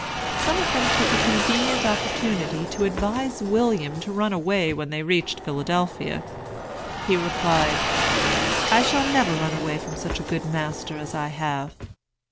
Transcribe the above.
Some of them took a convenient opportunity to advise William to run away when they reached Philadelphia. He replied, "I shall never run away from such a good master as I have."